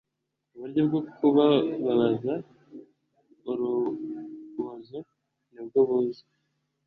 uburyo bwo kubabaza urubozo ni bwo buzwi